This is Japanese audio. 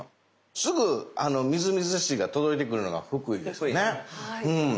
すぐみずみずしいが届いてくるのが福井ですねうん。